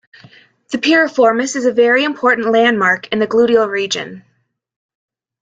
The piriformis is a very important landmark in the gluteal region.